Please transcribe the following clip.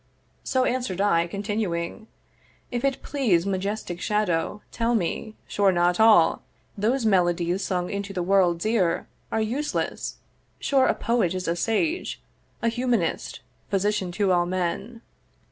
So answer'd I, continuing, 'If it please, 'Majestic shadow, tell me: sure not all 'Those melodies sung into the world's ear 'Are useless: sure a poet is a sage; 'A humanist, physician to all men.